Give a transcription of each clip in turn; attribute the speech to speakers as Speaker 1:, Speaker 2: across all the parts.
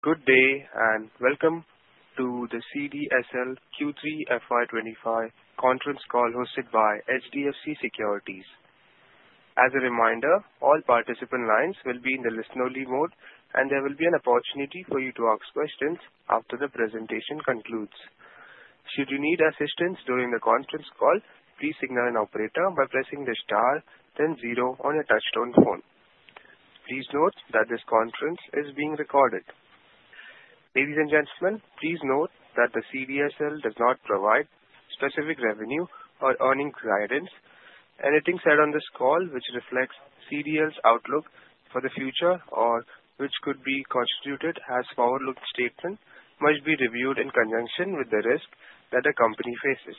Speaker 1: Good day and welcome to the CDSL Q3 FY25 conference call hosted by HDFC Securities. As a reminder, all participant lines will be in the listen-only mode, and there will be an opportunity for you to ask questions after the presentation concludes. Should you need assistance during the conference call, please signal an operator by pressing the star, then zero on your touch-tone phone. Please note that this conference is being recorded. Ladies and gentlemen, please note that the CDSL does not provide specific revenue or earnings guidance. Anything said on this call, which reflects CDSL's outlook for the future or which could be construed as forward-looking statements, must be reviewed in conjunction with the risks that the company faces.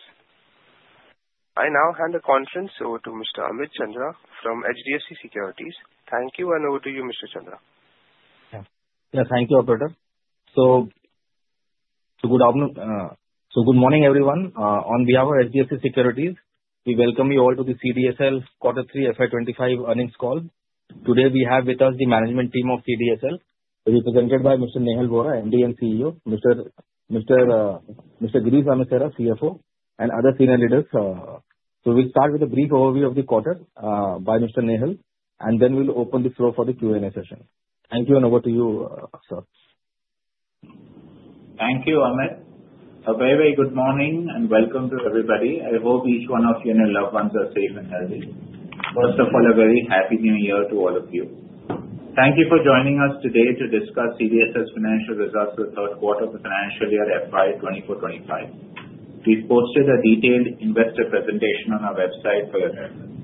Speaker 1: I now hand the conference over to Mr. Amit Chandra from HDFC Securities. Thank you, and over to you, Mr. Chandra.
Speaker 2: Yeah, thank you, Operator. So, so good morning, everyone. On behalf of HDFC Securities, we welcome you all to the CDSL Q3FY25 earnings call. Today, we have with us the management team of CDSL, represented by Mr. Nehal Vora, MD and CEO, Mr. Girish Amesara, CFO, and other senior leaders. So we'll start with a brief overview of the quarter by Mr. Nehal, and then we'll open the floor for the Q&A session. Thank you, and over to you, sir.
Speaker 3: Thank you, Amit. A very, very good morning and welcome to everybody. I hope each one of you and your loved ones are safe and healthy. First of all, a very happy new year to all of you. Thank you for joining us today to discuss CDSL's financial results for the third quarter of the financial year FY 24-25. We've posted a detailed investor presentation on our website for your reference.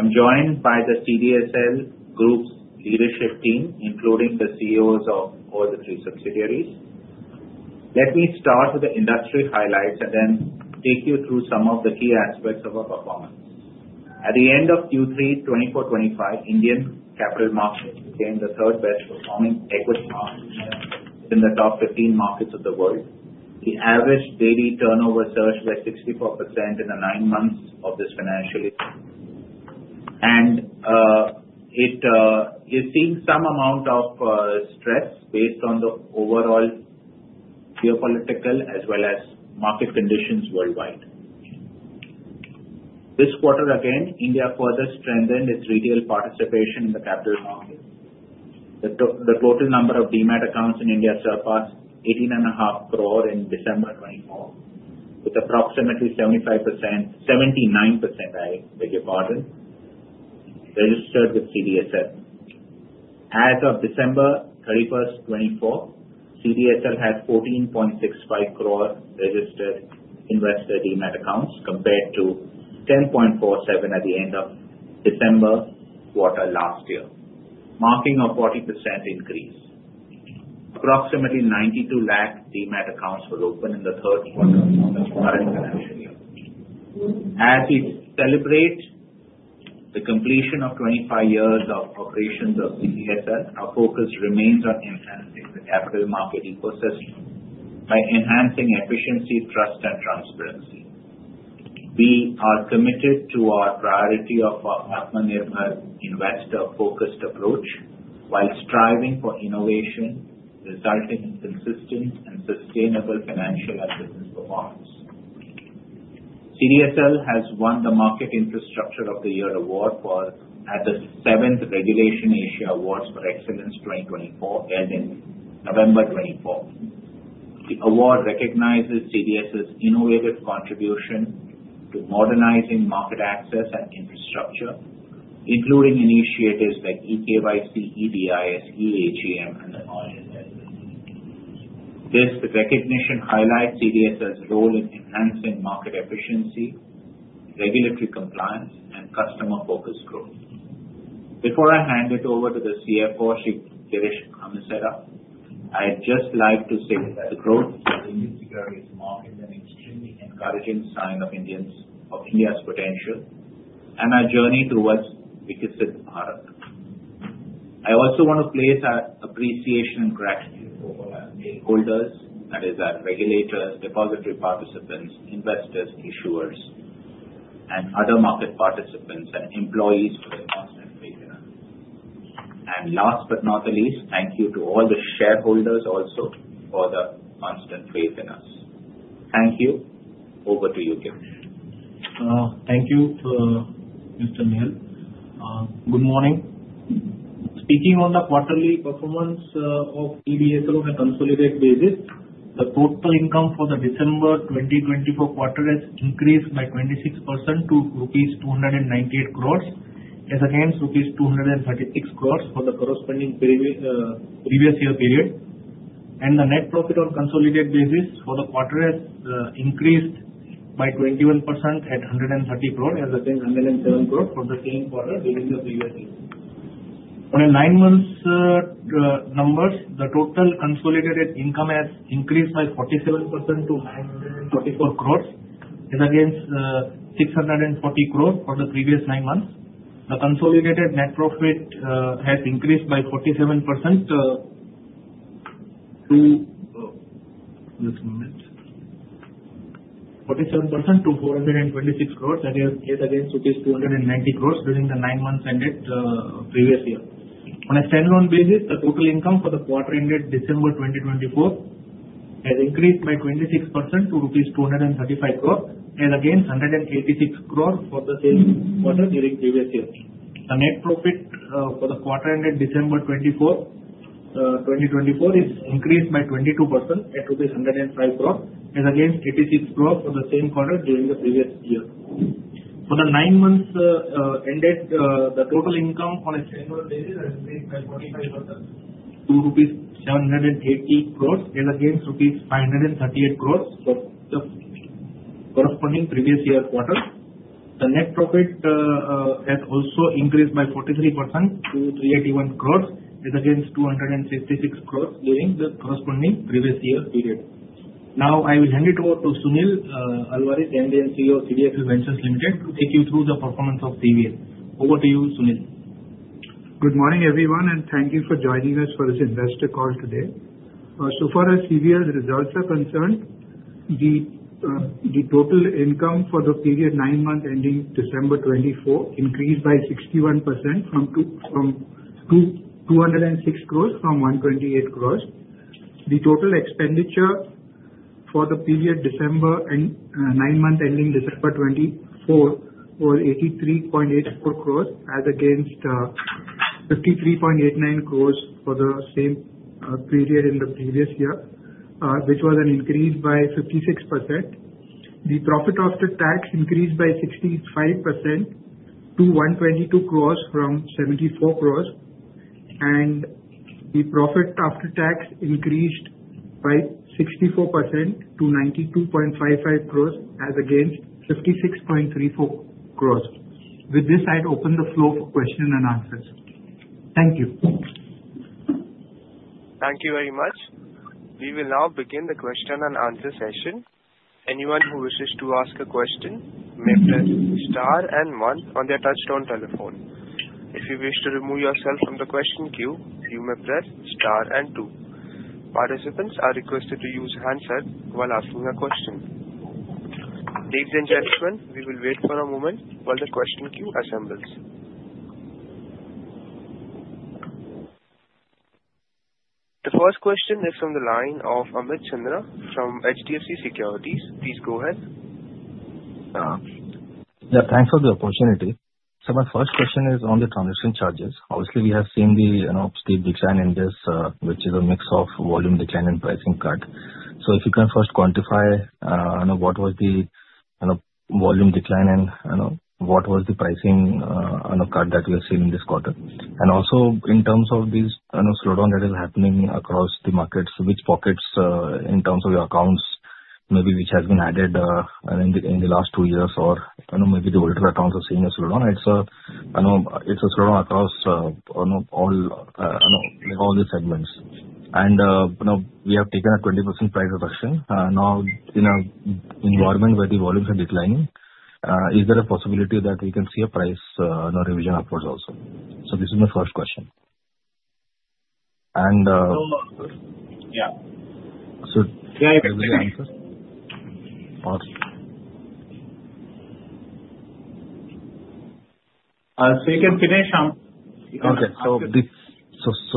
Speaker 3: I'm joined by the CDSL Group's leadership team, including the CEOs of all the three subsidiaries. Let me start with the industry highlights and then take you through some of the key aspects of our performance. At the end of Q3 24-25, Indian capital markets became the third best-performing equity market in the top 15 markets of the world. The average daily turnover surged by 64% in the nine months of this financial year, and it is seeing some amount of stress based on the overall geopolitical as well as market conditions worldwide. This quarter, again, India further strengthened its retail participation in the capital markets. The total number of demat accounts in India surpassed 18.5 crore in December 2024, with approximately 75%, 79%, I beg your pardon, registered with CDSL. As of December 31st, 2024, CDSL had 14.65 crore registered investor demat accounts compared to 10.47 at the end of December quarter last year, marking a 40% increase. Approximately 92 lakh demat accounts were opened in the third quarter of the current financial year. As we celebrate the completion of 25 years of operations of CDSL, our focus remains on enhancing the capital market ecosystem by enhancing efficiency, trust, and transparency. We are committed to our priority of a money-investor-focused approach while striving for innovation resulting in consistent and sustainable financial and business performance. CDSL has won the Market Infrastructure of the Year Award at the 7th Regulation Asia Awards for Excellence 2024 held in November 2024. The award recognizes CDSL's innovative contribution to modernizing market access and infrastructure, including initiatives like e-KYC, e-DIS, e-Sign, and e-Voting. This recognition highlights CDSL's role in enhancing market efficiency, regulatory compliance, and customer-focused growth. Before I hand it over to the CFO, Girish Amesara, I'd just like to say that the growth of the Indian securities market is an extremely encouraging sign of India's potential and our journey towards a victorious market. I also want to place our appreciation and gratitude over our stakeholders, that is, our regulators, depository participants, investors, issuers, and other market participants, and employees for their constant faith in us. And last but not the least, thank you to all the shareholders also for the constant faith in us. Thank you. Over to you, Girish.
Speaker 4: Thank you, Mr. Nehal. Good morning. Speaking on the quarterly performance of CDSL on a consolidated basis, the total income for the December 2024 quarter has increased by 26% to 298 crores rupees, as against 236 crores rupees for the corresponding previous year period. And the net profit on a consolidated basis for the quarter has increased by 21% at 130 crores, as against 107 crores for the same quarter during the previous year. On a nine-month numbers, the total consolidated income has increased by 47% to 944 crores, as against 640 crores for the previous nine months. The consolidated net profit has increased by 47% to 47% to 426 crores, as against 290 crores during the nine months ended previous year. On a standalone basis, the total income for the quarter-ended December 2024 has increased by 26% to rupees 235 crores, as against 186 crores for the same quarter during the previous year. The net profit for the quarter-ended December 2024 is increased by 22% at rupees 105 crores, as against 86 crores for the same quarter during the previous year. For the nine months ended, the total income on a standalone basis has increased by 25% to 780 crores rupees, as against rupees 538 crores for the corresponding previous year quarter. The net profit has also increased by 43% to 381 crores, as against 266 crores during the corresponding previous year period. Now, I will hand it over to Sunil Alvares, MD and CEO of CDSL Ventures Limited, to take you through the performance of CVL. Over to you, Sunil.
Speaker 5: Good morning, everyone, and thank you for joining us for this investor call today. So far, as CDSL results are concerned, the total income for the period nine months ending December 2024 increased by 61% to 206 crores from 128 crores. The total expenditure for the period nine months ending December 2024 was 83.84 crores, as against 53.89 crores for the same period in the previous year, which was an increase by 56%. The profit after tax increased by 65% to 122 crores from 74 crores, and the profit after tax increased by 64% to 92.55 crores, as against 56.34 crores. With this, I'd open the floor for questions and answers. Thank you.
Speaker 1: Thank you very much. We will now begin the question and answer session. Anyone who wishes to ask a question may press star and one on their touch-tone telephone. If you wish to remove yourself from the question queue, you may press star and two. Participants are requested to use handsets while asking a question. Ladies and gentlemen, we will wait for a moment while the question queue assembles. The first question is from the line of Amit Chandra from HDFC Securities. Please go ahead.
Speaker 2: Yeah, thanks for the opportunity. So my first question is on the transaction charges. Obviously, we have seen the, you know, steep decline in this, which is a mix of volume decline and pricing cut. So if you can first quantify, you know, what was the, you know, volume decline and, you know, what was the pricing, you know, cut that we have seen in this quarter. And also, in terms of these, you know, slowdown that is happening across the markets, which pockets, in terms of your accounts, maybe which has been added in the last two years or, you know, maybe the older accounts are seeing a slowdown. It's a, you know, it's a slowdown across, you know, all, you know, all the segments. And, you know, we have taken a 20% price reduction. Now, in an environment where the volumes are declining, is there a possibility that we can see a price, you know, revision upwards also? So this is my first question. And. No answer. Yeah.
Speaker 3: So can I answer?
Speaker 1: So you can finish.
Speaker 2: Okay. So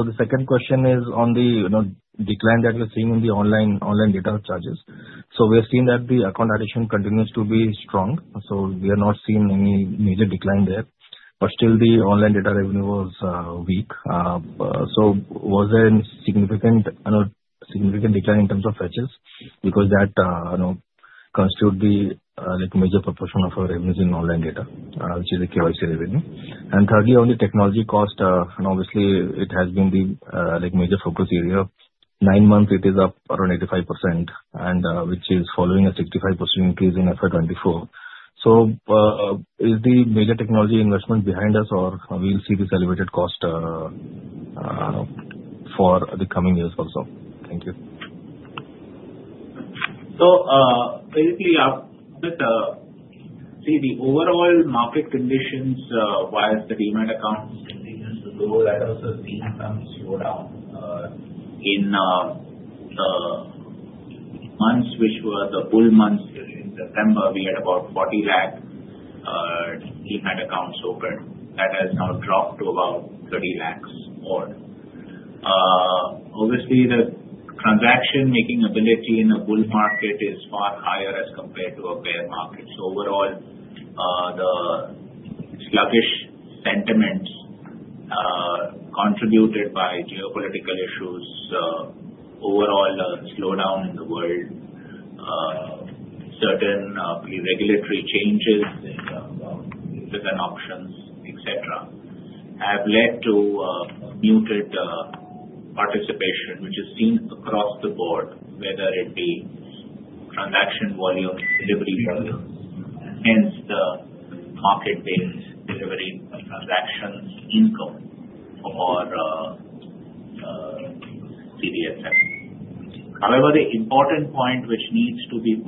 Speaker 2: the second question is on the, you know, decline that we're seeing in the online data charges. So we have seen that the account addition continues to be strong. So we are not seeing any major decline there. But still, the online data revenue was weak. So was there a significant, you know, significant decline in terms of fetches? Because that, you know, constitutes the, like, major proportion of our revenues in online data, which is the KYC revenue. And thirdly, on the technology cost, and obviously, it has been the, like, major focus area. Nine months, it is up around 85%, and which is following a 65% increase in FY 2024. So is the major technology investment behind us, or will we see this elevated cost for the coming years also? Thank you.
Speaker 3: So basically, Amit, see, the overall market conditions-wise, the demat accounts continued to go. That has seen some slowdown in the months which were the bull months. In September, we had about 40 lakh demat accounts open. That has now dropped to about 30 lakhs or. Obviously, the transaction-making ability in a bull market is far higher as compared to a bear market. So overall, the sluggish sentiments contributed by geopolitical issues, overall slowdown in the world, certain regulatory changes within options, etc., have led to muted participation, which is seen across the board, whether it be transaction volumes, delivery volumes, and hence the market-based delivery transactions income for CDSL. However, the important point which needs to be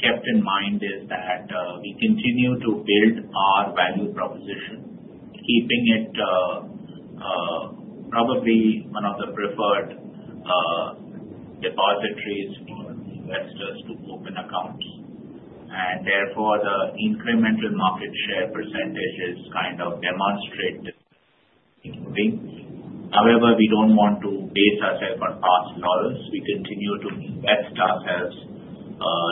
Speaker 3: kept in mind is that we continue to build our value proposition, keeping it probably one of the preferred depositories for investors to open accounts. Therefore, the incremental market share percentage is kind of demonstrated improving. However, we don't want to base ourselves on past losses. We continue to invest ourselves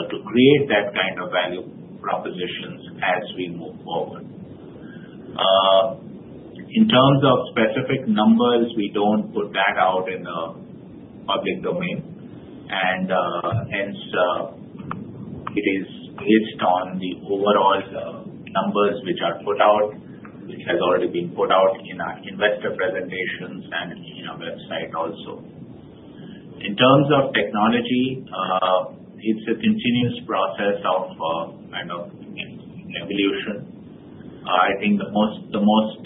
Speaker 3: to create that kind of value propositions as we move forward. In terms of specific numbers, we don't put that out in the public domain. Hence, it is based on the overall numbers which are put out, which have already been put out in our investor presentations and in our website also. In terms of technology, it's a continuous process of kind of evolution. I think the most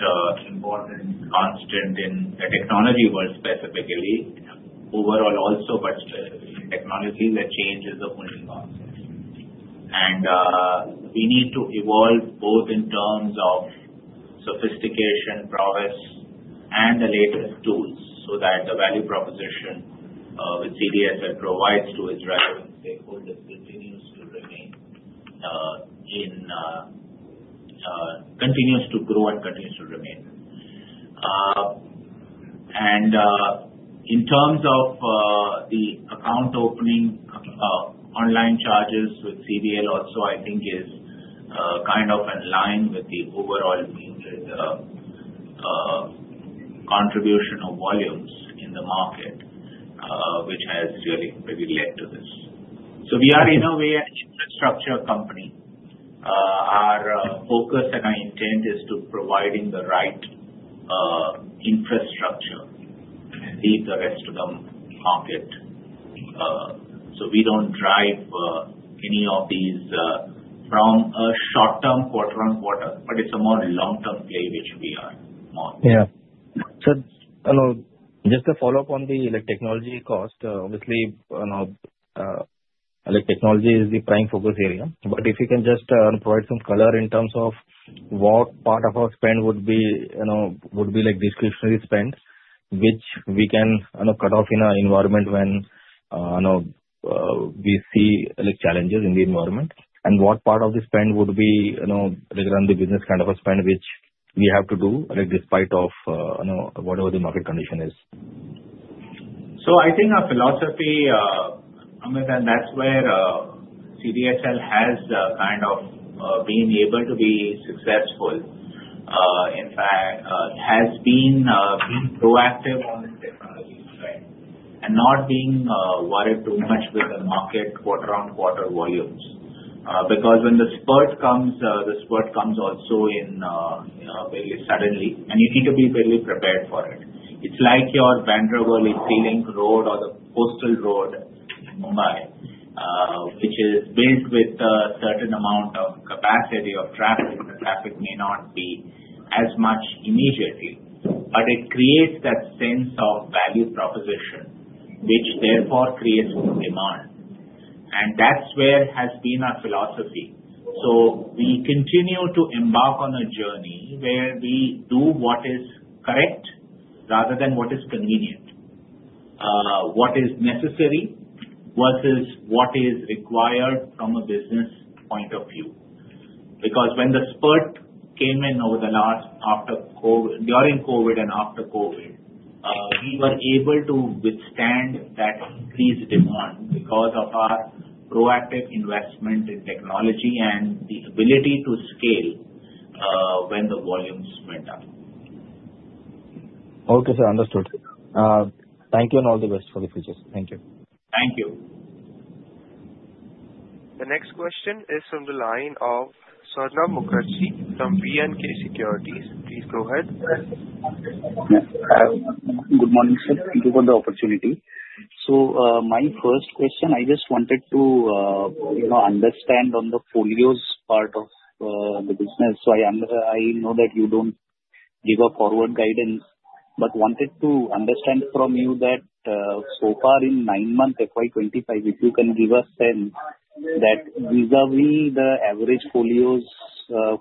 Speaker 3: important constant in the technology world specifically, overall also, but specifically in technology, the change is the holding on. We need to evolve both in terms of sophistication, prowess, and the latest tools so that the value proposition which CDSL provides to its relevant stakeholders continues to remain intact, continues to grow and continues to remain. In terms of the account opening online charges with CVL also, I think is kind of in line with the overall contribution of volumes in the market, which has really maybe led to this. We are, in a way, an infrastructure company. Our focus and our intent is to provide the right infrastructure and lead the rest of the market. We don't drive any of these from a short-term quarter-on-quarter, but it's a more long-term play, which we are more.
Speaker 2: Yeah. So just to follow up on the technology cost, obviously, technology is the prime focus area. But if you can just provide some color in terms of what part of our spend would be discretionary spend, which we can cut off in an environment when we see challenges in the environment, and what part of the spend would be run the business kind of a spend which we have to do despite of whatever the market condition is.
Speaker 3: I think our philosophy, Amit, and that's where CDSL has kind of been able to be successful. In fact, has been proactive on the technology side and not being worried too much with the market quarter-on-quarter volumes. Because when the spurt comes, the spurt comes also very suddenly, and you need to be very prepared for it. It's like the Bandra-Worli Sea Link Road or the Coastal Road in Mumbai, which is built with a certain amount of capacity of traffic. The traffic may not be as much immediately, but it creates that sense of value proposition, which therefore creates demand. And that's where has been our philosophy. We continue to embark on a journey where we do what is correct rather than what is convenient, what is necessary versus what is required from a business point of view. Because when the spurt came in over the last during COVID and after COVID, we were able to withstand that increased demand because of our proactive investment in technology and the ability to scale when the volumes went up.
Speaker 2: Okay, sir. Understood. Thank you and all the best for the future. Thank you.
Speaker 3: Thank you.
Speaker 1: The next question is from the line of Swarnabha Mukherjee from B&K Securities. Please go ahead.
Speaker 6: Good morning, sir. Thank you for the opportunity. So my first question, I just wanted to understand on the Folios part of the business. So I know that you don't give a forward guidance, but wanted to understand from you that so far in nine months FY 25, if you can give us sense that vis-à-vis the average Folios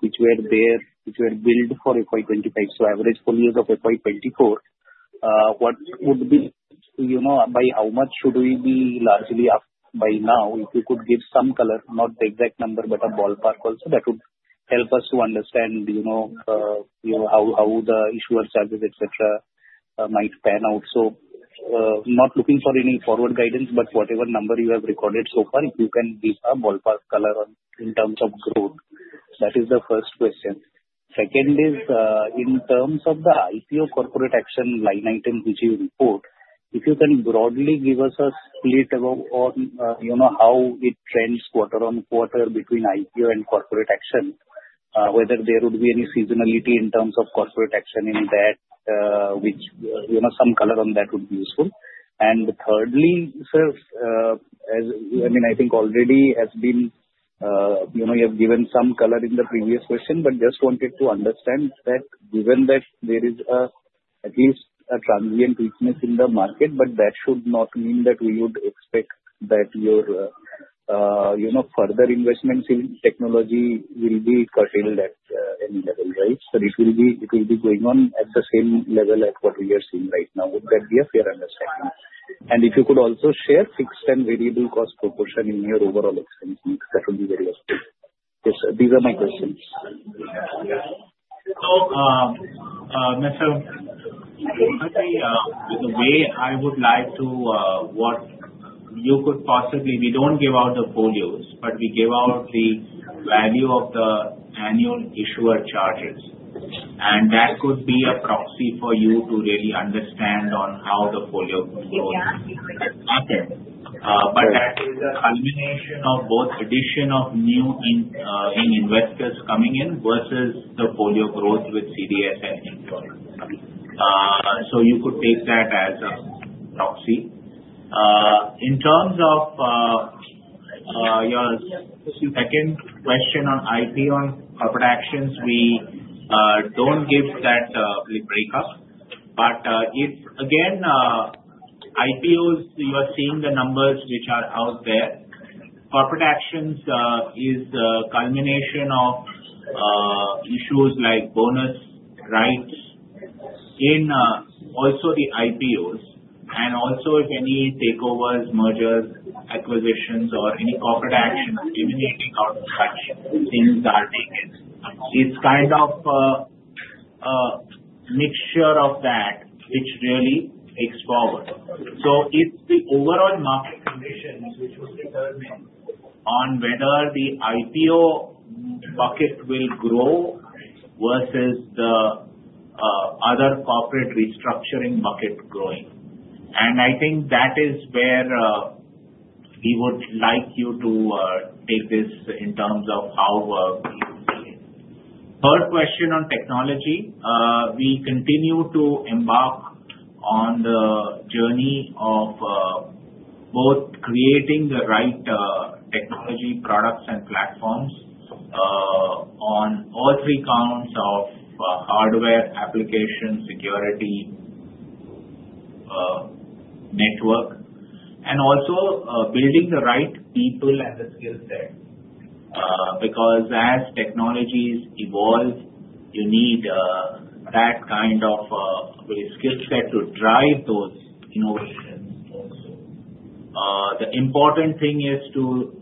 Speaker 6: which were built. So average Folios of FY 24, what would be by how much should we be largely up by now if you could give some color, not the exact number, but a ballpark also that would help us to understand how the issuer charges, etc., might pan out. So not looking for any forward guidance, but whatever number you have recorded so far, if you can give a ballpark color in terms of growth. That is the first question. Second is, in terms of the IPO corporate action line item which you report, if you can broadly give us a split on how it trends quarter on quarter between IPO and corporate action, whether there would be any seasonality in terms of corporate action in that, which some color on that would be useful. And thirdly, sir, I mean, I think already has been you have given some color in the previous question, but just wanted to understand that given that there is at least a transient weakness in the market, but that should not mean that we would expect that your further investments in technology will be curtailed at any level, right? So it will be going on at the same level as what we are seeing right now. Would that be a fair understanding? If you could also share fixed and variable cost proportion in your overall expense, that would be very helpful. These are my questions.
Speaker 3: So, Amit, sir, the way I would like to work, you could possibly we don't give out the folios, but we give out the value of the annual issuer charges. And that could be a proxy for you to really understand on how the folios growth happen. But that is a culmination of both addition of new investors coming in versus the folios growth with CDSL in total. You could take that as a proxy. In terms of your second question on IPO and corporate actions, we don't give that breakup. But again, IPOs, you are seeing the numbers which are out there. Corporate actions is the culmination of issues like bonus, rights, and also the IPOs and also if any takeovers, mergers, acquisitions, or any corporate actions emanating out of such things are taken. It's kind of a mixture of that which really takes forward. So if the overall market conditions which would determine on whether the IPO bucket will grow versus the other corporate restructuring bucket growing. And I think that is where we would like you to take this in terms of how we're viewing it. Third question on technology, we continue to embark on the journey of both creating the right technology products and platforms on all three counts of hardware, application, security, network, and also building the right people and the skill set. Because as technologies evolve, you need that kind of skill set to drive those innovations also. The important thing is to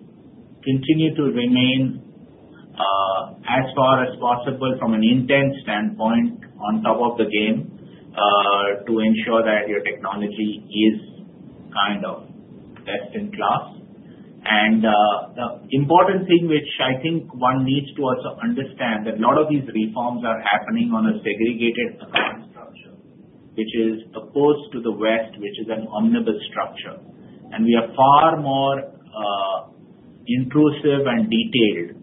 Speaker 3: continue to remain as far as possible from an intense standpoint on top of the game to ensure that your technology is kind of best in class. The important thing which I think one needs to also understand that a lot of these reforms are happening on a segregated account structure, which is opposite to the West, which is an omnibus structure. We are far more intrusive and detailed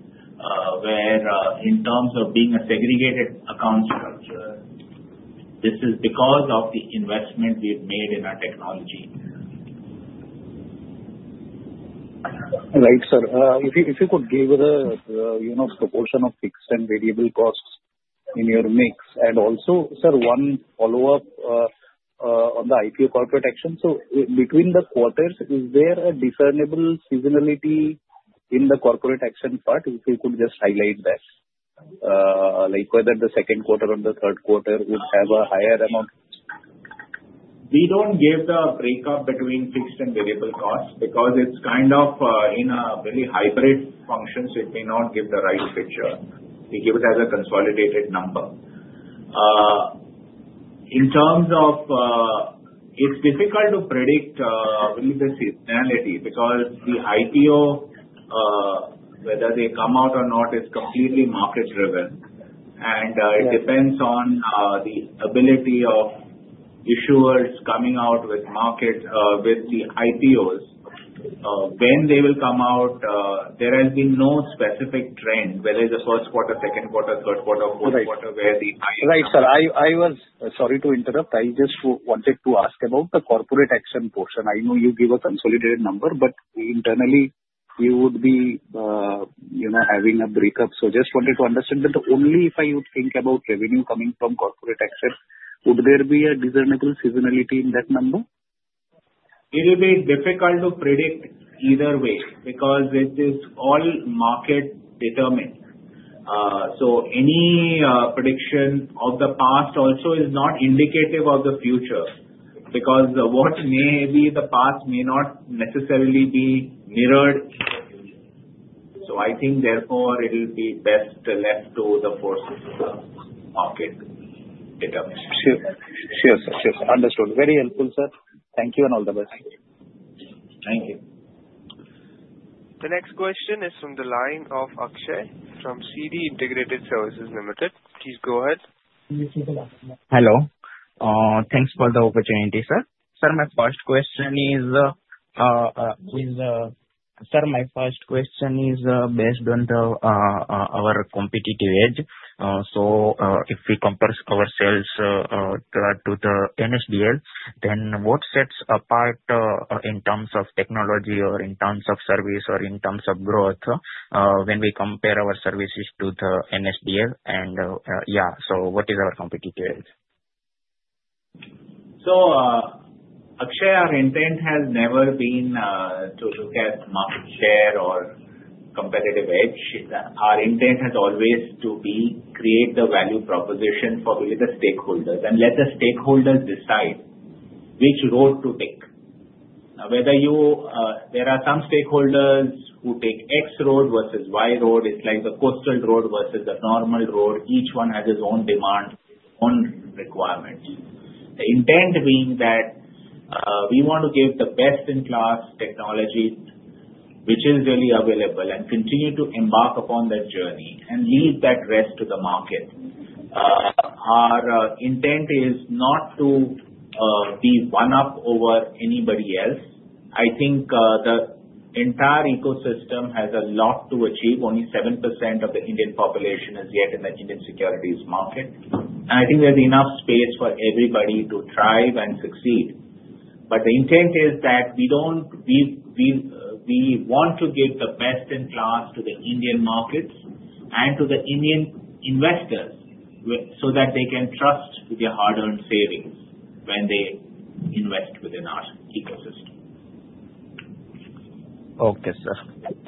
Speaker 3: wherein terms of being a segregated account structure, this is because of the investment we've made in our technology.
Speaker 6: Right, sir. If you could give the proportion of fixed and variable costs in your mix. And also, sir, one follow-up on the IPO corporate action. So between the quarters, is there a discernible seasonality in the corporate action part? If you could just highlight that, whether the second quarter or the third quarter would have a higher amount.
Speaker 3: We don't give the break-up between fixed and variable costs because it's kind of in a very hybrid function, so it may not give the right picture. We give it as a consolidated number. In terms of, it's difficult to predict really the seasonality because the IPO, whether they come out or not, is completely market-driven. And it depends on the ability of issuers coming out with the IPOs. When they will come out, there has been no specific trend, whether it's the first quarter, second quarter, third quarter, fourth quarter, where the.
Speaker 6: Right, sir. I was sorry to interrupt. I just wanted to ask about the corporate action portion. I know you give a consolidated number, but internally, you would be having a breakup. So just wanted to understand that only if I would think about revenue coming from corporate action, would there be a discernible seasonality in that number?
Speaker 3: It will be difficult to predict either way because it is all market-determined. So any prediction of the past also is not indicative of the future because what may be the past may not necessarily be mirrored in the future. So I think therefore it will be best left to the forces of the market determine.
Speaker 6: Sure, sir. Sure, sir. Understood. Very helpful, sir. Thank you and all the best.
Speaker 3: Thank you.
Speaker 1: The next question is from the line of Akshay from CD Integrated Services Limited. Please go ahead.
Speaker 6: Hello. Thanks for the opportunity, sir. Sir, my first question is based on our competitive edge. So if we compare ourselves to the NSDL, then what sets apart in terms of technology or in terms of service or in terms of growth when we compare our services to the NSDL? And yeah, so what is our competitive edge?
Speaker 3: Akshay, our intent has never been to look at market share or competitive edge. Our intent has always to create the value proposition for the stakeholders and let the stakeholders decide which road to take. There are some stakeholders who take X road versus Y road. It's like the Coastal Road versus the normal road. Each one has its own demand, its own requirements. The intent being that we want to give the best-in-class technology which is really available and continue to embark upon that journey and leave that rest to the market. Our intent is not to be one-up over anybody else. I think the entire ecosystem has a lot to achieve. Only 7% of the Indian population is yet in the Indian securities market. And I think there's enough space for everybody to thrive and succeed. But the intent is that we want to give the best in class to the Indian markets and to the Indian investors so that they can trust with their hard-earned savings when they invest within our ecosystem.
Speaker 6: Okay, sir.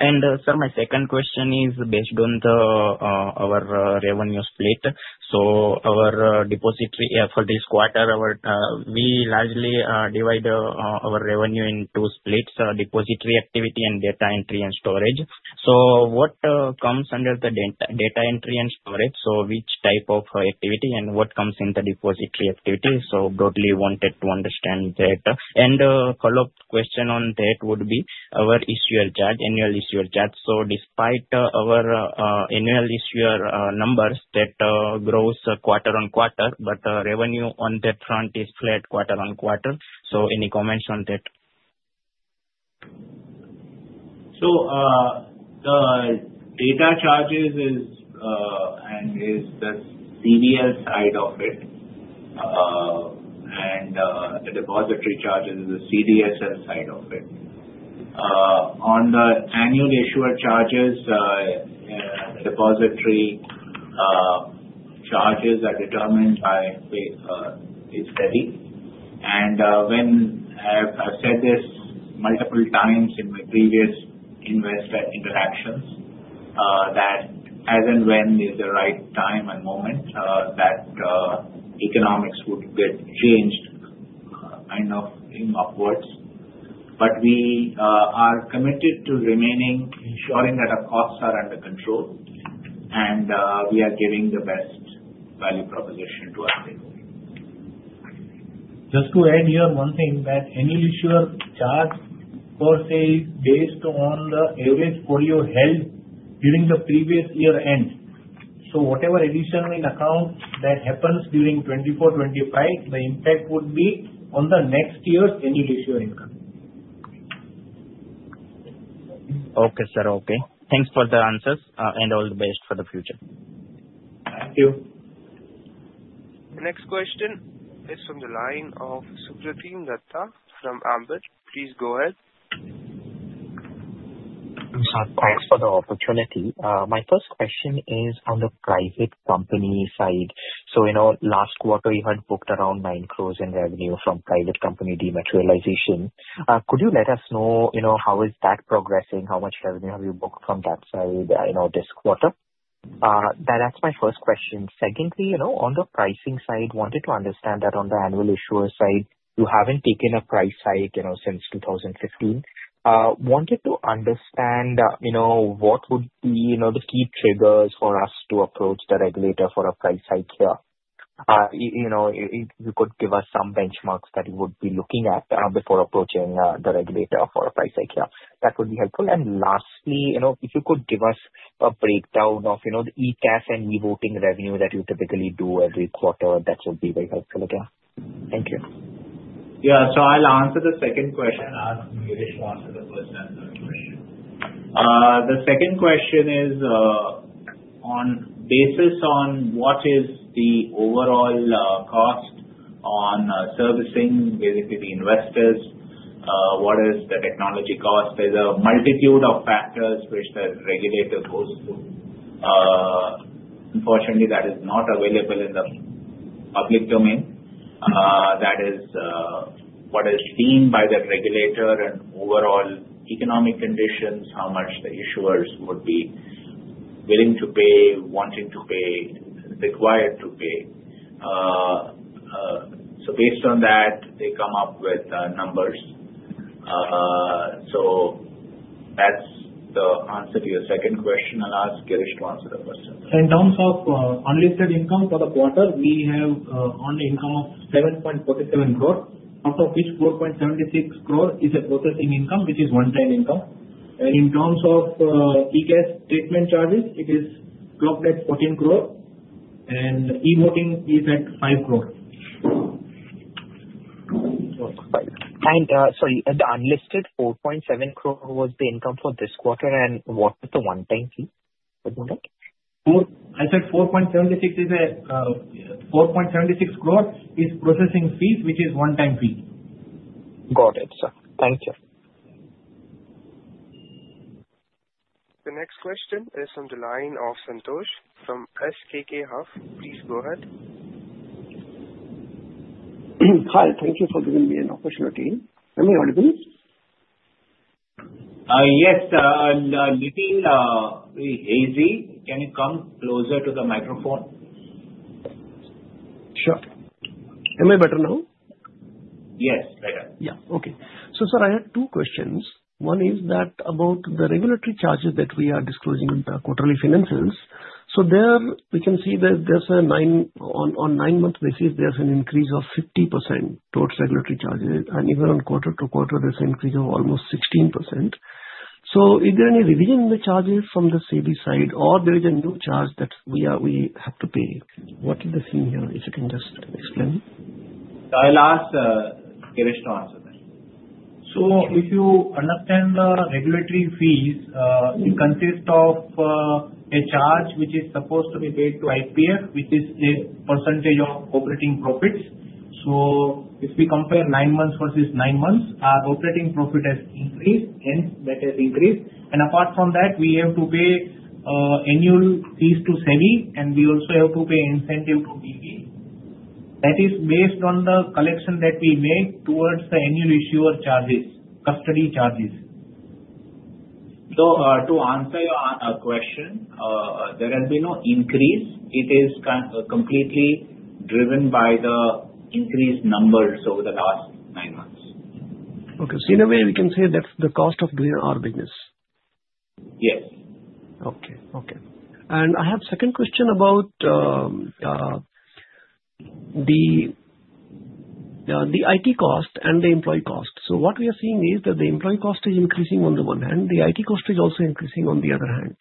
Speaker 6: And sir, my second question is based on our revenue split. So our depository for this quarter, we largely divide our revenue into splits: depository activity and data entry and storage. So what comes under the data entry and storage? So which type of activity and what comes in the depository activity? So broadly wanted to understand that. And a follow-up question on that would be our issuer charge, annual issuer charge. So despite our annual issuer numbers that grow quarter on quarter, but revenue on that front is flat quarter on quarter. So any comments on that?
Speaker 3: So the data charges and is the CVL side of it, and the depository charges is the CDSL side of it. On the annual issuer charges, the depository charges are determined by its levy, and I've said this multiple times in my previous investor interactions that as and when is the right time and moment that economics would get changed kind of upwards, but we are committed to remaining ensuring that our costs are under control, and we are giving the best value proposition to our people.
Speaker 4: Just to add here one thing that annual issuer charges based on the average folios held during the previous year end. So whatever addition in account that happens during 2024, 2025, the impact would be on the next year's annual issuer income.
Speaker 6: Okay, sir. Okay. Thanks for the answers and all the best for the future.
Speaker 3: Thank you.
Speaker 1: The next question is from the line of Supratim Datta from Ambit. Please go ahead.
Speaker 7: Thanks for the opportunity. My first question is on the private company side. So last quarter, you had booked around nine crores in revenue from private company dematerialization. Could you let us know how is that progressing? How much revenue have you booked from that side this quarter? That's my first question. Secondly, on the pricing side, wanted to understand that on the annual issuer side, you haven't taken a price hike since 2015. Wanted to understand what would be the key triggers for us to approach the regulator for a price hike here. If you could give us some benchmarks that you would be looking at before approaching the regulator for a price hike here, that would be helpful. And lastly, if you could give us a breakdown of the e-CAS and e-voting revenue that you typically do every quarter, that would be very helpful again. Thank you.
Speaker 3: Yeah. So I'll answer the second question as Girish wants to the first question. The second question is on what basis is the overall cost on servicing, basically the investors, what is the technology cost? There's a multitude of factors which the regulator goes through. Unfortunately, that is not available in the public domain. That is what is deemed by the regulator and overall economic conditions, how much the issuers would be willing to pay, wanting to pay, required to pay. So based on that, they come up with numbers. So that's the answer to your second question. I'll ask Girish to answer the first.
Speaker 4: In terms of unlisted income for the quarter, we have an income of 7.47 crore, out of which 4.76 crore is a processing income, which is one-time income. And in terms of e-CAS charges, it is clocked at 14 crore, and e-Voting is at 5 crore.
Speaker 7: Sorry, the unlisted 4.7 crore was the income for this quarter, and what is the one-time fee for that?
Speaker 4: I said 4.76 is a 4.76 crore is processing fees, which is one-time fee.
Speaker 7: Got it, sir. Thank you.
Speaker 1: The next question is from the line of Santosh from SKS Capital. Please go ahead.
Speaker 8: Hi. Thank you for giving me an opportunity. Can you hear me?
Speaker 3: Yes, sir. Little hazy. Can you come closer to the microphone?
Speaker 8: Sure. Am I better now?
Speaker 3: Yes, better.
Speaker 8: Yeah. Okay. So sir, I had two questions. One is about the regulatory charges that we are disclosing in the quarterly finances. So there we can see that there's a nine-month basis, there's an increase of 50% towards regulatory charges. And even on quarter to quarter, there's an increase of almost 16%. So is there any revision in the charges from the CDSL side, or there is a new charge that we have to pay? What is the thing here? If you can just explain.
Speaker 3: I'll ask Girish to answer that.
Speaker 4: So if you understand the regulatory fees, it consists of a charge which is supposed to be paid to IPF, which is a percentage of operating profits. So if we compare nine months versus nine months, our operating profit has increased, hence that has increased. And apart from that, we have to pay annual fees to SEBI, and we also have to pay incentive to DP. That is based on the collection that we make towards the annual issuer charges, custody charges. So to answer your question, there has been no increase. It is completely driven by the increased numbers over the last nine months.
Speaker 8: Okay. So in a way, we can say that's the cost of doing our business.
Speaker 4: Yes.
Speaker 8: Okay. Okay, and I have a second question about the IT cost and the employee cost, so what we are seeing is that the employee cost is increasing on the one hand. The IT cost is also increasing on the other hand,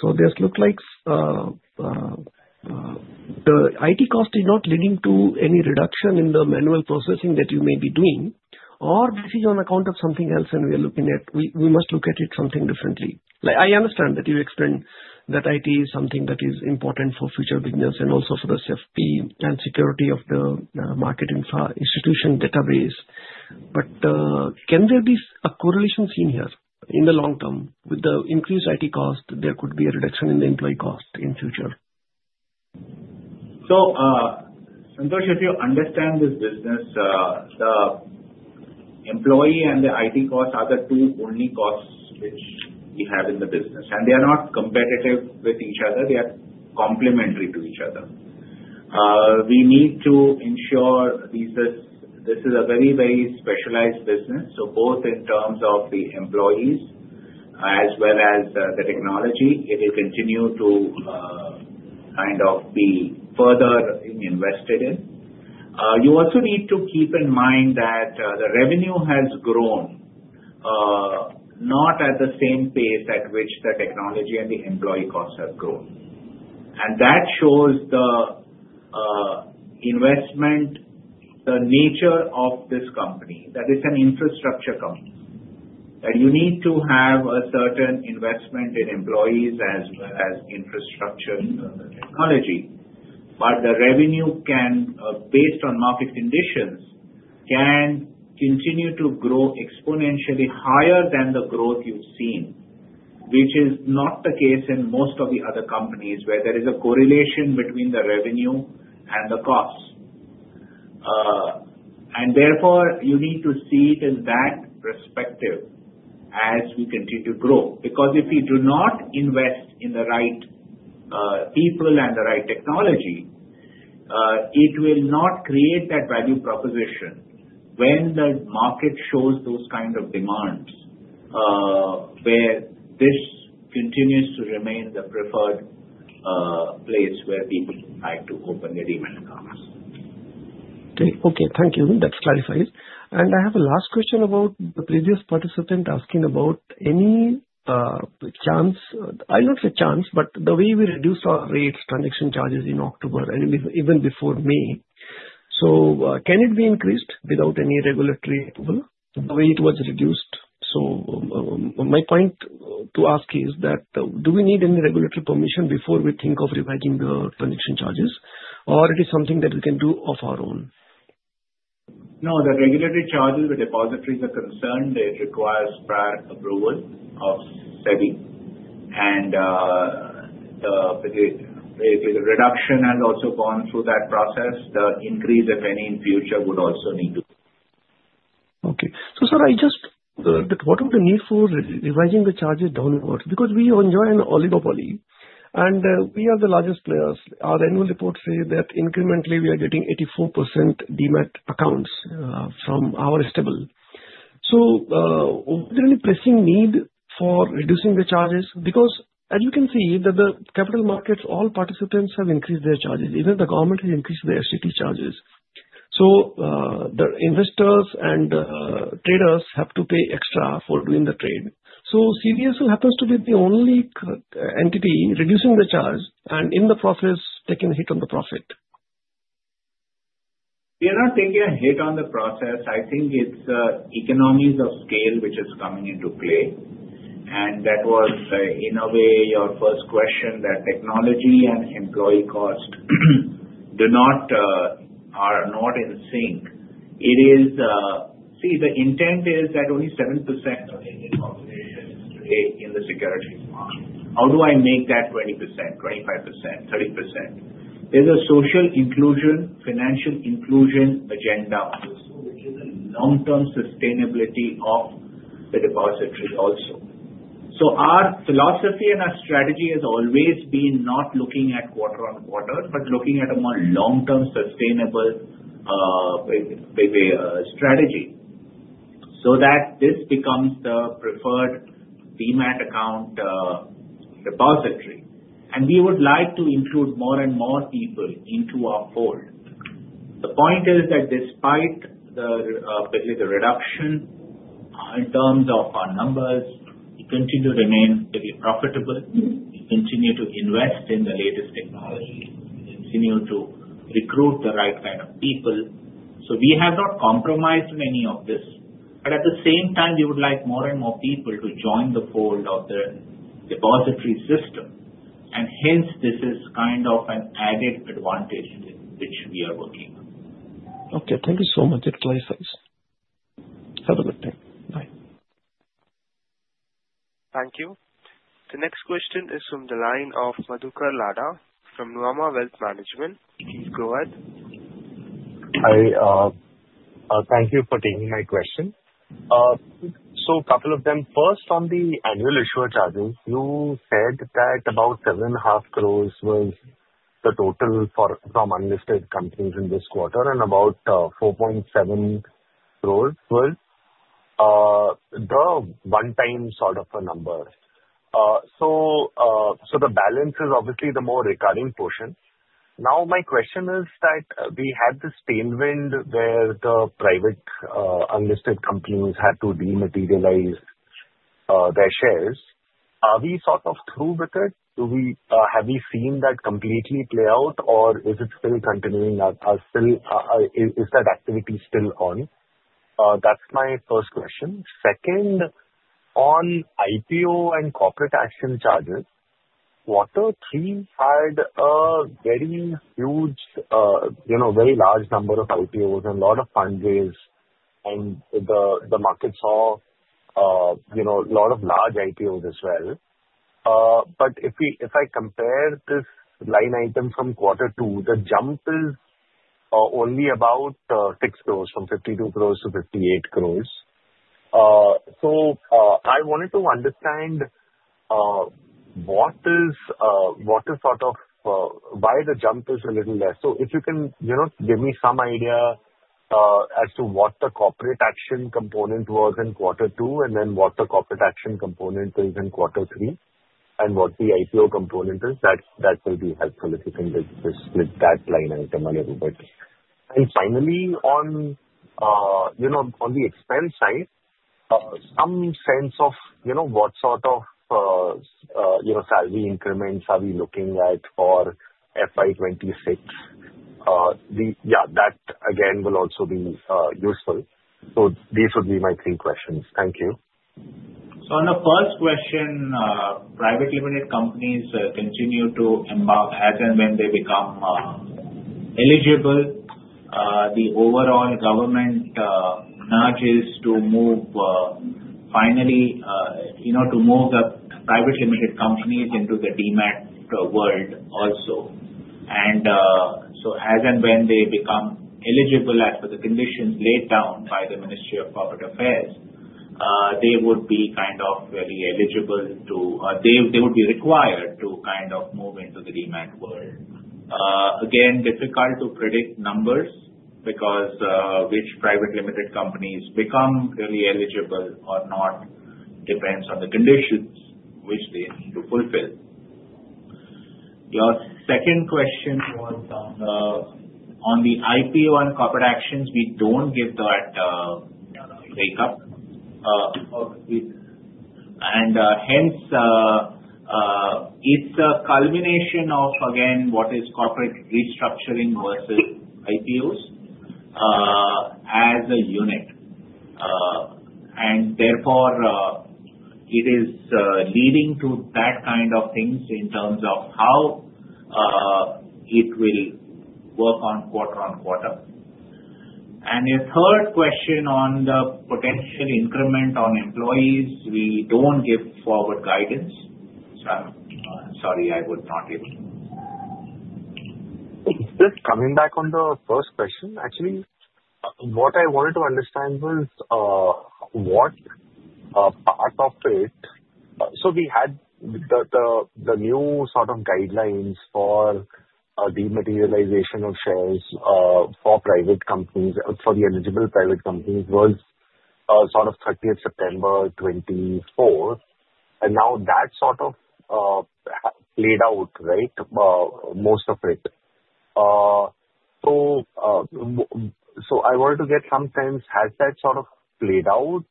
Speaker 8: so this looks like the IT cost is not leading to any reduction in the manual processing that you may be doing, or this is on account of something else, and we are looking at we must look at it something differently. I understand that you explained that IT is something that is important for future business and also for the safety and security of the market institution database, but can there be a correlation seen here in the long term? With the increased IT cost, there could be a reduction in the employee cost in future.
Speaker 3: So, Santosh, if you understand this business, the employee and the IT cost are the two only costs which we have in the business. And they are not competitive with each other. They are complementary to each other. We need to ensure this is a very, very specialized business. So both in terms of the employees as well as the technology, it will continue to kind of be further invested in. You also need to keep in mind that the revenue has grown not at the same pace at which the technology and the employee costs have grown. And that shows the investment, the nature of this company. That is an infrastructure company. And you need to have a certain investment in employees as well as infrastructure technology. But the revenue, based on market conditions, can continue to grow exponentially higher than the growth you've seen, which is not the case in most of the other companies where there is a correlation between the revenue and the cost. And therefore, you need to see it in that perspective as we continue to grow. Because if we do not invest in the right people and the right technology, it will not create that value proposition when the market shows those kind of demands where this continues to remain the preferred place where people like to open their demat accounts.
Speaker 8: Okay. Okay. Thank you. That clarifies. And I have a last question about the previous participant asking about any chance. I'll not say chance, but the way we reduced our rates transaction charges in October, even before May. So can it be increased without any regulatory approval? The way it was reduced. So my point to ask is that do we need any regulatory permission before we think of revising the transaction charges, or it is something that we can do on our own?
Speaker 3: No, the regulatory charges, the depositories are concerned, it requires prior approval of SEBI. And the reduction has also gone through that process. The increase, if any, in future would also need to.
Speaker 8: Okay. So sir, I just thought that what would the need for revising the charges downward? Because we enjoy an oligopoly, and we are the largest players. Our annual reports say that incrementally we are getting 84% demat accounts from our stable. So is there any pressing need for reducing the charges? Because as you can see, the capital markets, all participants have increased their charges. Even the government has increased their STT charges. So CDSL happens to be the only entity reducing the charge, and in the process, taking a hit on the profit.
Speaker 3: We are not taking a hit on the process. I think it's the economies of scale which is coming into play, and that was, in a way, your first question that technology and employee cost are not in sync. See, the intent is that only 7% of the Indian population is today in the securities market. How do I make that 20%, 25%, 30%? There's a social inclusion, financial inclusion agenda, which is a long-term sustainability of the depository also, so our philosophy and our strategy has always been not looking at quarter on quarter, but looking at a more long-term sustainable strategy so that this becomes the preferred demat account depository, and we would like to include more and more people into our fold. The point is that despite the reduction in terms of our numbers, we continue to remain profitable. We continue to invest in the latest technology. We continue to recruit the right kind of people. So we have not compromised on any of this. But at the same time, we would like more and more people to join the fold of the depository system. And hence, this is kind of an added advantage which we are working on.
Speaker 8: Okay. Thank you so much. It clarifies. Have a good day. Bye.
Speaker 1: Thank you. The next question is from the line of Madhukar Ladha from Nuvama Wealth Management. Please go ahead.
Speaker 9: Hi. Thank you for taking my question. So a couple of them. First, on the annual issuer charges, you said that about 7.5 crores was the total from unlisted companies in this quarter and about 4.7 crores was the one-time sort of a number. So the balance is obviously the more recurring portion. Now, my question is that we had this tailwind where the private unlisted companies had to dematerialize their shares. Are we sort of through with it? Have we seen that completely play out, or is it still continuing? Is that activity still on? That's my first question. Second, on IPO and corporate action charges, quarter three had a very huge, very large number of IPOs and a lot of fundraise, and the market saw a lot of large IPOs as well. But if I compare this line item from quarter two, the jump is only about six crores from 52 crores to 58 crores. So I wanted to understand what is sort of why the jump is a little less. So if you can give me some idea as to what the corporate action component was in quarter two and then what the corporate action component is in quarter three and what the IPO component is, that will be helpful if you can just split that line item a little bit. And finally, on the expense side, some sense of what sort of salary increments are we looking at for FY26? Yeah, that again will also be useful. So these would be my three questions. Thank you.
Speaker 3: So on the first question, private limited companies continue to, as and when they become eligible. The overall government nudges to finally move the private limited companies into the demat world also. And so as and when they become eligible, as per the conditions laid down by the Ministry of Corporate Affairs, they would be required to kind of move into the demat world. Again, difficult to predict numbers because which private limited companies become really eligible or not depends on the conditions which they need to fulfill. Your second question was on the IPO and corporate actions. We don't give that breakup. And hence, it's a combination of, again, what is corporate restructuring versus IPOs as a unit. And therefore, it is leading to that kind of thing in terms of how it will work on quarter on quarter. Your third question on the potential increment on employees, we don't give forward guidance. So I'm sorry, I would not give it.
Speaker 9: Just coming back on the first question. Actually, what I wanted to understand was what part of it, so we had the new sort of guidelines for dematerialization of shares for private companies, for the eligible private companies, was sort of 30th September 2024, and now that sort of played out, right, most of it, so I wanted to get some sense: has that sort of played out,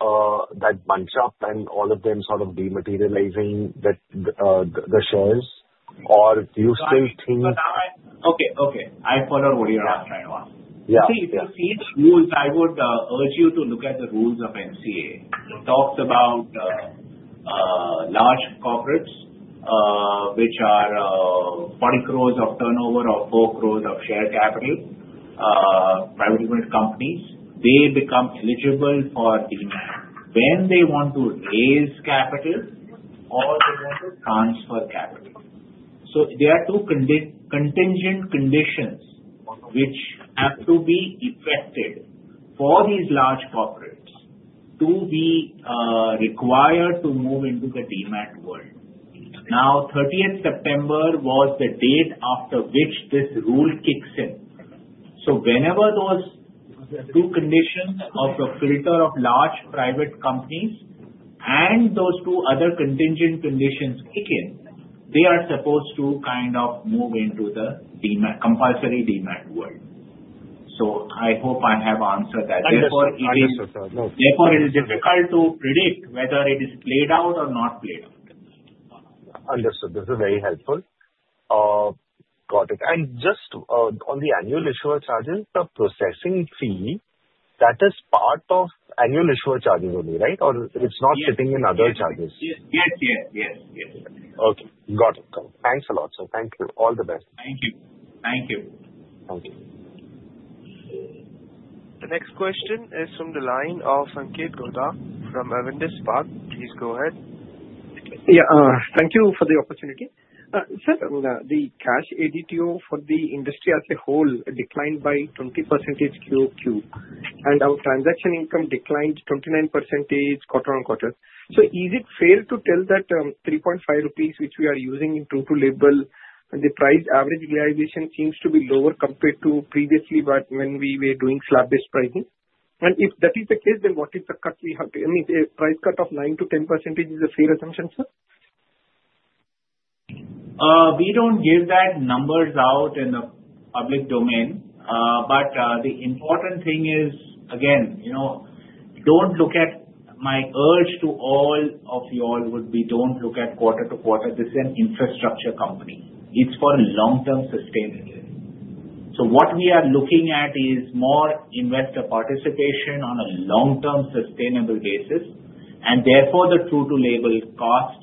Speaker 9: that bunch up and all of them sort of dematerializing the shares, or do you still think?
Speaker 3: Okay. Okay. I follow what you're asking right now. If you see the rules, I would urge you to look at the rules of MCA. It talks about large corporates which are 40 crores of turnover or 4 crores of share capital, private limited companies. They become eligible for demat when they want to raise capital or they want to transfer capital. So there are two contingent conditions which have to be effected for these large corporates to be required to move into the demat world. Now, 30th September was the date after which this rule kicks in. So whenever those two conditions of the filter of large private companies and those two other contingent conditions kick in, they are supposed to kind of move into the compulsory demat world. So I hope I have answered that. Therefore, it is difficult to predict whether it is played out or not played out.
Speaker 9: Understood. This is very helpful. Got it. And just on the annual issuer charges, the processing fee, that is part of annual issuer charges only, right? Or it's not sitting in other charges?
Speaker 3: Yes. Yes. Yes. Yes. Yes.
Speaker 9: Okay. Got it. Thanks a lot, sir. Thank you. All the best.
Speaker 3: Thank you. Thank you.
Speaker 9: Thank you.
Speaker 1: The next question is from the line of Sanketh Godha from Avendus Spark. Please go ahead.
Speaker 10: Yeah. Thank you for the opportunity. Sir, the cash ADTO for the industry as a whole declined by 20% each QQ. And our transaction income declined 29% each quarter on quarter. So is it fair to tell that 3.5 rupees which we are using in true-to-label, the price average realization seems to be lower compared to previously when we were doing slab-based pricing? And if that is the case, then what is the cut we have to, I mean, a price cut of 9%-10% is a fair assumption, sir?
Speaker 3: We don't give those numbers out in the public domain. But the important thing is, again, my advice to all of y'all would be don't look at quarter to quarter. This is an infrastructure company. It's for long-term sustainability. So what we are looking at is more investor participation on a long-term sustainable basis. And therefore, the true-to-label cost,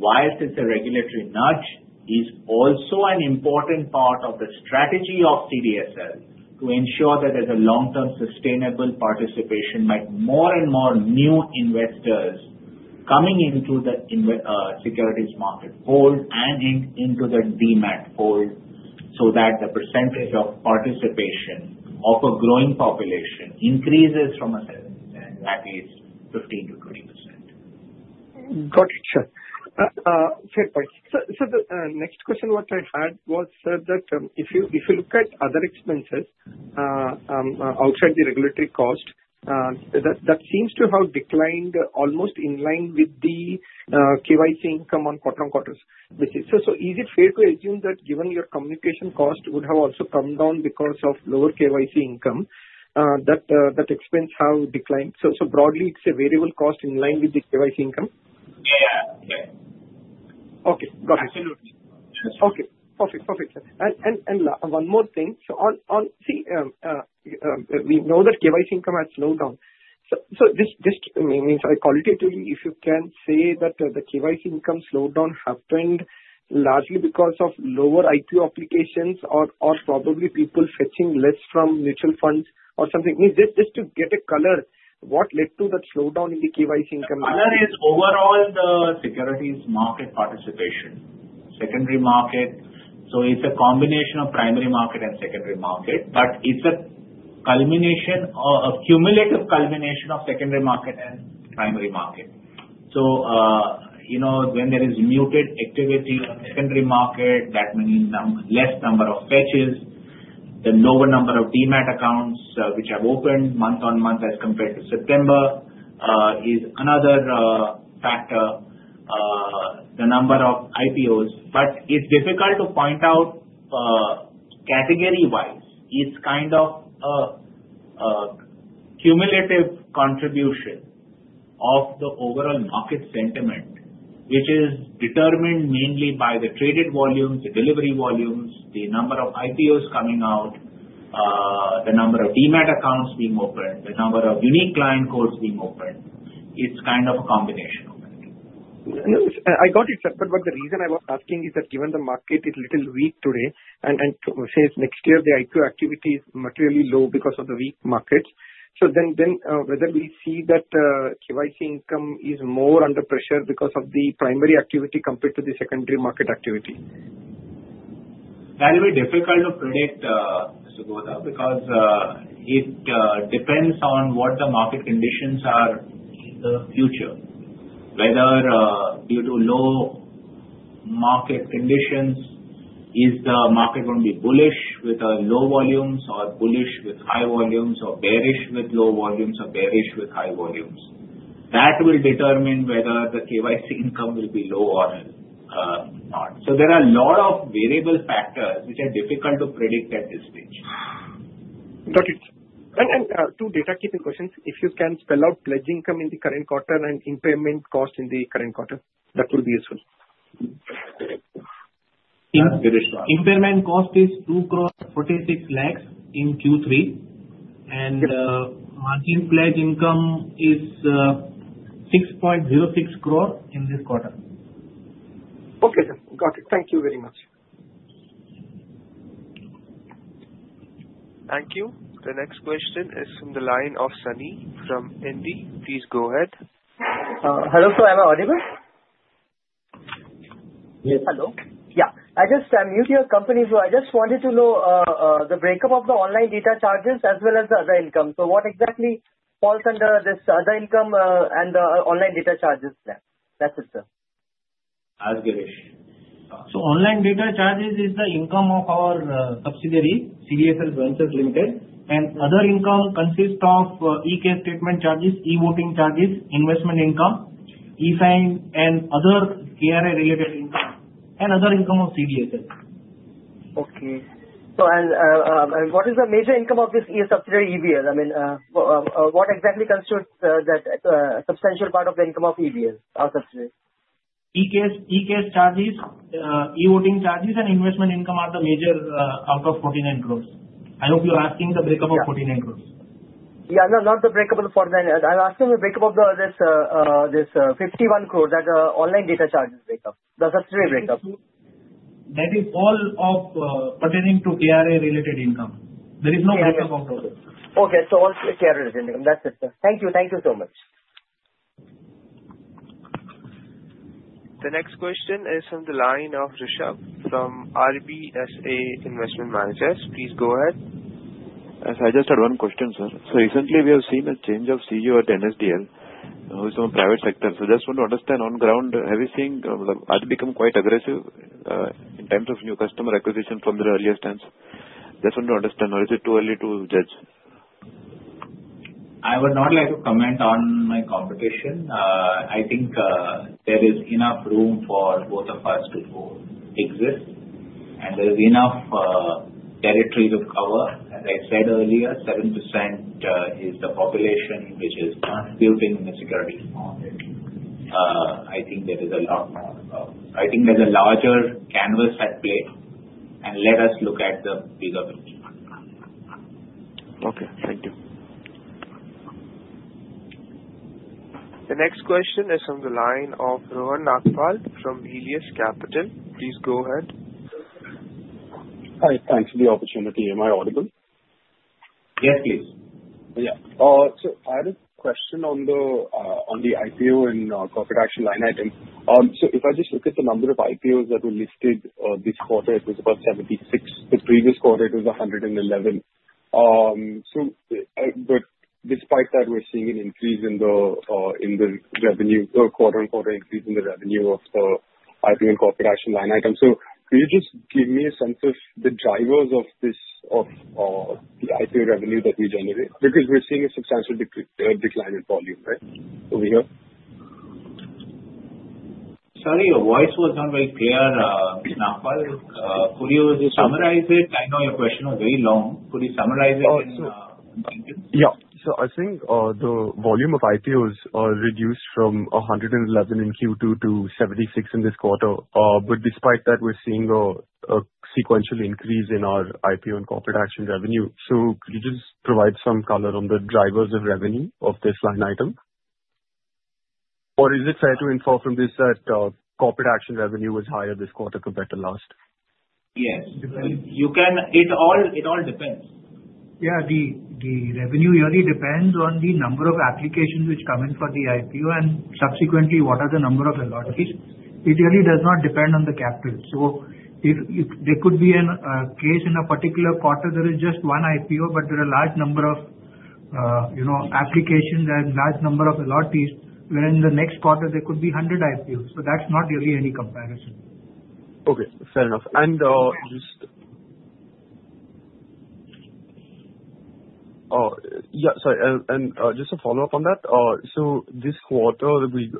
Speaker 3: while it's a regulatory nudge, is also an important part of the strategy of CDSL to ensure that there's a long-term sustainable participation by more and more new investors coming into the securities market fold and into the demat fold so that the percentage of participation of a growing population increases from a 7%, that is 15%-20%.
Speaker 10: Got it. Sure. Fair point. So the next question what I had was, sir, that if you look at other expenses outside the regulatory cost, that seems to have declined almost in line with the KYC income on quarter on quarter basis. So is it fair to assume that given your communication cost would have also come down because of lower KYC income, that expense have declined? So broadly, it's a variable cost in line with the KYC income?
Speaker 3: Yeah. Yeah. Yeah.
Speaker 10: Okay. Got it.
Speaker 3: Absolutely.
Speaker 10: Okay. Perfect. Perfect, and one more thing, so see, we know that KYC income has slowed down. Just maybe I call it to you, if you can say that the KYC income slowed down happened largely because of lower IPO applications or probably people fetching less from mutual funds or something. Just to get a color, what led to that slowdown in the KYC income?
Speaker 3: Color is overall the securities market participation, secondary market. So it's a combination of primary market and secondary market. But it's a culmination, a cumulative culmination of secondary market and primary market. So when there is muted activity on secondary market, that means less number of fetches, the lower number of demat accounts which have opened month on month as compared to September is another factor, the number of IPOs. But it's difficult to point out category-wise. It's kind of a cumulative contribution of the overall market sentiment, which is determined mainly by the traded volumes, the delivery volumes, the number of IPOs coming out, the number of demat accounts being opened, the number of unique client codes being opened. It's kind of a combination of it.
Speaker 10: I got it. But the reason I was asking is that given the market is a little weak today, and since next year, the IPO activity is materially low because of the weak markets, so then whether we see that KYC income is more under pressure because of the primary activity compared to the secondary market activity?
Speaker 3: That will be difficult to predict, Mr. Godha, because it depends on what the market conditions are in the future. Whether due to low market conditions, is the market going to be bullish with low volumes or bullish with high volumes or bearish with low volumes or bearish with high volumes. That will determine whether the KYC income will be low or not. So there are a lot of variable factors which are difficult to predict at this stage.
Speaker 10: Got it. And two data-keeping questions. If you can spell out pledge income in the current quarter and impairment cost in the current quarter, that will be useful.
Speaker 4: Yes. Impairment cost is 2.46 crores in Q3. And margin pledge income is 6.06 crores in this quarter.
Speaker 10: Okay. Got it. Thank you very much.
Speaker 1: Thank you. The next question is from the line of Sunny from Indi. Please go ahead.
Speaker 11: Hello. So am I audible?
Speaker 3: Yes.
Speaker 11: Hello. Yeah. I just muted your company. So I just wanted to know the break-up of the online data charges as well as the other income. So what exactly falls under this other income and the online data charges? That's it, sir.
Speaker 4: Absolutely. So online data charges is the income of our subsidiary, CDSL Ventures Limited. And other income consists of e-CAS statement charges, e-voting charges, investment income, e-sign, and other KRA-related income, and other income of CDSL.
Speaker 11: Okay. And what is the major income of this subsidiary, CVL? I mean, what exactly constitutes that substantial part of the income of CVL, our subsidiary?
Speaker 4: EK charges, e-voting charges, and investment income are the major out of 49 crores. I hope you're asking the breakup of 49 crores.
Speaker 11: Yeah. No, not the breakup of 49. I'm asking the breakup of this 51 crores, that online data charges breakup, the subsidiary breakup.
Speaker 4: That is all pertaining to KRA-related income. There is no breakdown of those.
Speaker 11: Okay. So all KRA-related income. That's it, sir. Thank you. Thank you so much.
Speaker 1: The next question is from the line of Rushabh from RBSA Investment Managers. Please go ahead.
Speaker 12: I just had one question, sir. So recently, we have seen a change of CEO at NSDL, who is from a private sector. So I just want to understand on the ground, have you seen that they've become quite aggressive in terms of new customer acquisition from the earlier stance? Just want to understand. Or is it too early to judge?
Speaker 3: I would not like to comment on my competition. I think there is enough room for both of us to coexist, and there is enough territory to cover. As I said earlier, 7% is the population which is contributing in the securities market. I think there is a lot more to cover. I think there's a larger canvas at play, and let us look at the bigger picture.
Speaker 12: Okay. Thank you.
Speaker 1: The next question is from the line of Rohan Nagpal from Helios Capital. Please go ahead.
Speaker 13: Hi. Thanks for the opportunity. Am I audible?
Speaker 3: Yes, please.
Speaker 13: Yeah. So I had a question on the IPO and corporate action line item. So if I just look at the number of IPOs that were listed this quarter, it was about 76. The previous quarter, it was 111. But despite that, we're seeing an increase in the revenue, the quarter-on-quarter increase in the revenue of the IPO and corporate action line item. So could you just give me a sense of the drivers of the IPO revenue that we generate? Because we're seeing a substantial decline in volume, right, over here?
Speaker 3: Sorry, your voice was not very clear, Mr. Nagpal. Could you summarize it? I know your question was very long. Could you summarize it in sentence?
Speaker 13: Yeah. So I think the volume of IPOs reduced from 111 in Q2 to 76 in this quarter. But despite that, we're seeing a sequential increase in our IPO and corporate action revenue. So could you just provide some color on the drivers of revenue of this line item? Or is it fair to infer from this that corporate action revenue was higher this quarter compared to last?
Speaker 3: Yes. It all depends. Yeah. The revenue really depends on the number of applications which come in for the IPO and subsequently what are the number of allottees. It really does not depend on the capital. So there could be a case in a particular quarter there is just one IPO, but there are a large number of applications and a large number of allottees, where in the next quarter, there could be 100 IPOs. So that's not really any comparison.
Speaker 13: Okay. Fair enough. And just a follow-up on that. So this quarter,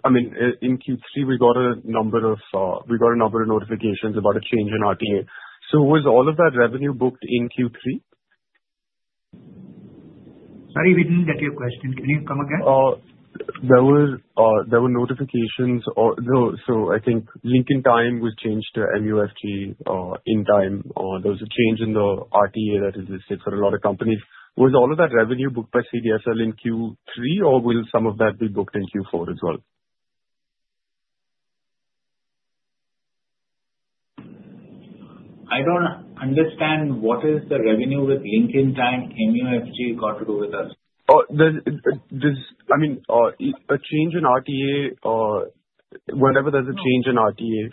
Speaker 13: I mean, in Q3, we got a number of notifications about a change in RTA. So was all of that revenue booked in Q3?
Speaker 3: Sorry, we didn't get your question. Can you come again?
Speaker 13: There were notifications. So I think Link Intime was changed to MUFG Intime. There was a change in the RTA that is listed for a lot of companies. Was all of that revenue booked by CDSL in Q3, or will some of that be booked in Q4 as well?
Speaker 4: I don't understand what is the revenue with Link Intime. MUFG got to do with us.
Speaker 13: I mean, a change in RTA, whenever there's a change in RTA.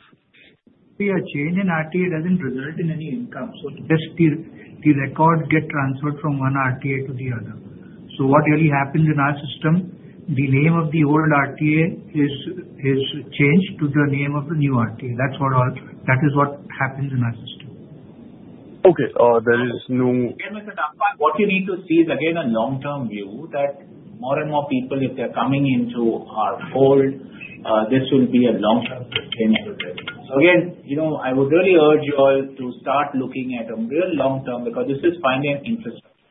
Speaker 4: See, a change in RTA doesn't result in any income. So just the records get transferred from one RTA to the other. So what really happens in our system, the name of the old RTA is changed to the name of the new RTA. That is what happens in our system.
Speaker 13: Okay. There is no...
Speaker 3: What you need to see is, again, a long-term view that more and more people, if they're coming into our fold, this will be a long-term sustainable revenue. So again, I would really urge you all to start looking at a real long-term because this is finance infrastructure.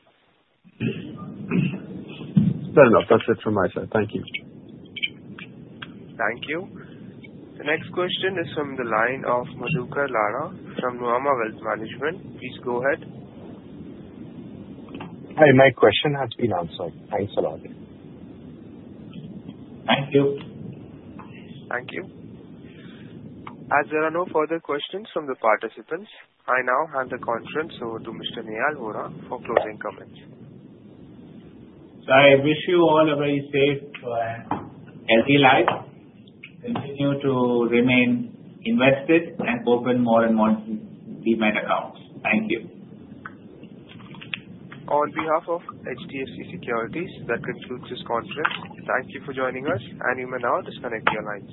Speaker 13: Fair enough. That's it from my side. Thank you.
Speaker 1: Thank you. The next question is from the line of Madhukar Ladha from Nuvama Wealth Management. Please go ahead.
Speaker 9: Hi. My question has been answered. Thanks a lot.
Speaker 3: Thank you.
Speaker 1: Thank you. As there are no further questions from the participants, I now hand the conference over to Mr. Nehal Vora for closing comments.
Speaker 3: So I wish you all a very safe, healthy life. Continue to remain invested and open more and more demat accounts. Thank you.
Speaker 1: On behalf of HDFC Securities, that concludes this conference. Thank you for joining us, and you may now disconnect your lines.